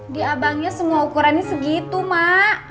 di abangnya semua ukurannya segitu mak